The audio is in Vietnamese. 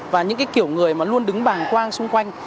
và những kiểu người luôn đứng bàng quang xung quanh